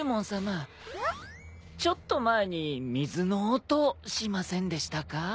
ちょっと前に水の音しませんでしたか？